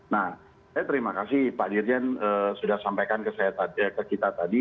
nah saya terima kasih pak dirjen sudah sampaikan ke kita tadi